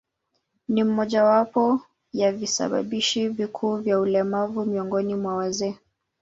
Ni mojawapo ya visababishi vikuu vya ulemavu miongoni mwa wazee.